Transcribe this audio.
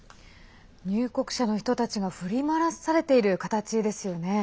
入国者の人たちが振り回されている形ですよね。